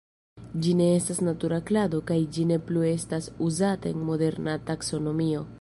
Ĝi ne estas natura klado kaj ĝi ne plu estas uzata en moderna taksonomio.